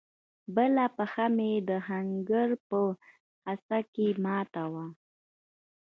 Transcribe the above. بله پښه مې د ښنگر په حصه کښې ماته وه.